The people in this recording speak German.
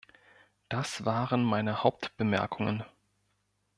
Das waren meine Hauptbemerkungen.